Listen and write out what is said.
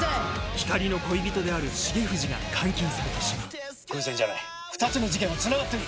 ひかりの恋人である重藤が監禁されてしまう偶然じゃない２つの事件はつながってる！